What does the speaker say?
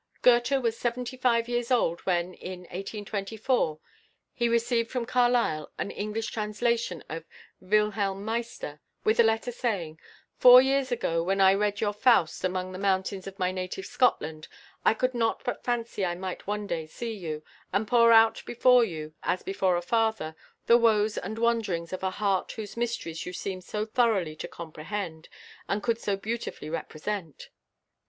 Goethe was seventy five years old when in 1824 he received from Carlyle an English translation of "Wilhelm Meister," with a letter, saying, "Four years ago, when I read your 'Faust' among the mountains of my native Scotland, I could not but fancy I might one day see you, and pour out before you, as before a father, the woes and wanderings of a heart whose mysteries you seemed so thoroughly to comprehend, and could so beautifully represent."